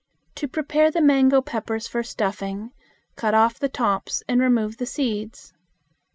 To prepare the mango peppers for stuffing, cut off the tops and remove the seeds.